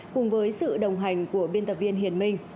cùng với sự đồng hành của biên tập viên hiền minh